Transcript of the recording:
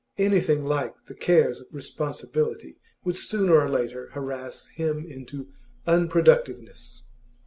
Anything like the cares of responsibility would sooner or later harass him into unproductiveness.